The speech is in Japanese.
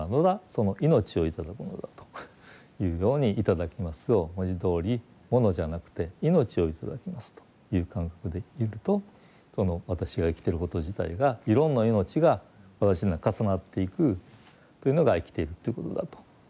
その命を頂くのだというように「いただきます」を文字どおりものじゃなくて命を頂きますという感覚でいるとその私が生きてること自体がいろんな命が私の中重なっていくというのが生きているということだと。